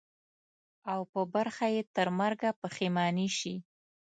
او په برخه یې ترمرګه پښېماني سي.